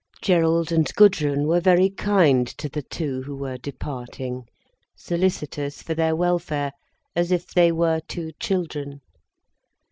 Gerald and Gudrun were very kind to the two who were departing, solicitous for their welfare as if they were two children.